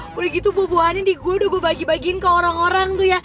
boleh gitu buah buahannya nih gue udah gue bagi bagiin ke orang orang tuh ya